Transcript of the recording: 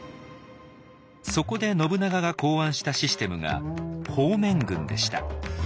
そこで信長が考案したシステムが「方面軍」でした。